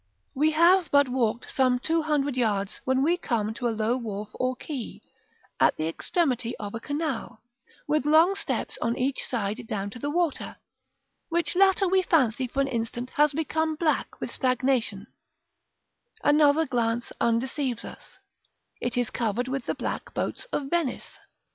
§ X. We have but walked some two hundred yards when we come to a low wharf or quay, at the extremity of a canal, with long steps on each side down to the water, which latter we fancy for an instant has become black with stagnation; another glance undeceives us, it is covered with the black boats of Venice.